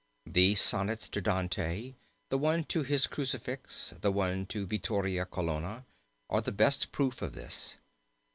These sonnets to Dante, the one to his crucifix, and one to Vittoria Colonna, are the best proof of this.